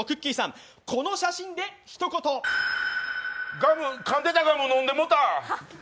ガム、かんでたガム飲んでもた！！